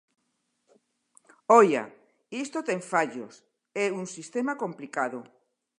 ¡Oia!, isto ten fallos, é un sistema complicado.